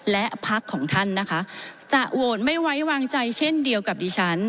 และพักของท่านนะคะจะโหวตไม่ไว้วางใจเช่นเดียวกับดิฉัน